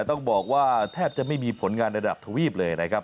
ต้องบอกว่าแทบจะไม่มีผลงานระดับทวีปเลยนะครับ